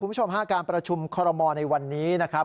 คุณผู้ชมฮะการประชุมคอรมอลในวันนี้นะครับ